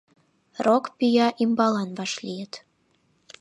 Рок пӱя ӱмбалан вашлийыт.